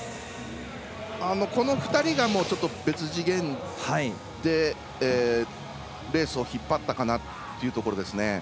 この２人がちょっと別次元でレースを引っ張ったかなというところです。